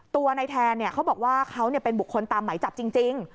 ตัวในแทนเนี้ยเขาบอกว่าเขาเนี้ยเป็นบุคคลตามไหมจับจริงจริง